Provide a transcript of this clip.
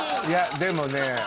いやでもね